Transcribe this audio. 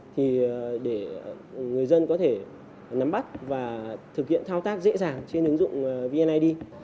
thì để người dân có thể nắm bắt và thực hiện thao tác dễ dàng trên ứng dụng vneid